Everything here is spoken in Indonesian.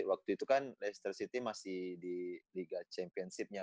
waktu itu kan leicester city masih di liga championship nya